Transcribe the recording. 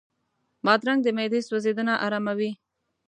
بادرنګ د معدې سوځېدنه آراموي.